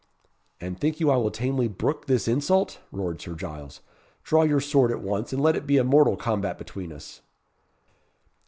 "And think you I will tamely brook this insult?" roared Sir Giles; "draw your sword at once, and let it be a mortal combat between us."